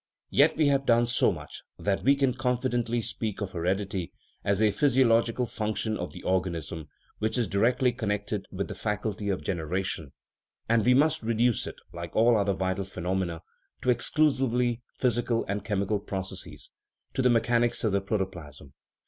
Yet we have done so much that we can confi dently speak of heredity as a physiological function of the organism, which is directly connected with the fac ulty of generation ; and we must reduce it, like all other vital phenomena, to exclusively physical and chemical processes, to the mechanics of the protoplasm.